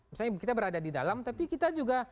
misalnya kita berada di dalam tapi kita juga